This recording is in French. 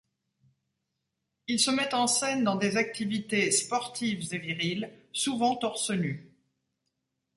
Il se met en scène dans des activités sportives et viriles souvent torse nu.